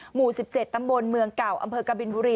หมู่๑๗ตำบลเมืองเก่าอำเภอกบินบุรี